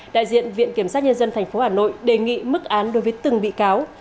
đại diện viện kiểm sát nhân dân tp hà nội đề nghị mức án đối với từng bị cáo